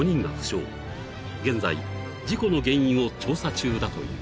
［現在事故の原因を調査中だという］